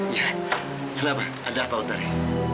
iya kenapa ada apa otari